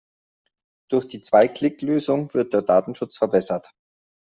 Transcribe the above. Durch die Zwei-Klick-Lösung wird der Datenschutz verbessert.